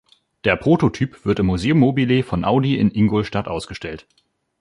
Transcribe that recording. Der Prototyp wird im museum mobile von Audi in Ingolstadt ausgestellt.